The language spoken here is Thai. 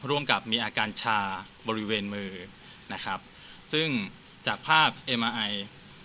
ร่วมกับมีอาการชาบริเวณมือนะครับซึ่งจากภาพเอมาไอ